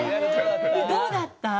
どうだった？